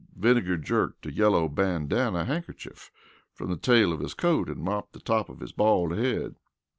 Vinegar jerked a yellow bandana handkerchief from the tail of his coat and mopped the top of his bald head.